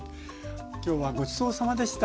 今日はごちそうさまでした。